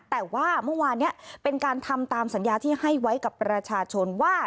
แต่ว่าเมื่อวานนี้เป็นการทำตามสัญญาที่ให้ไว้กับประชาชนว่า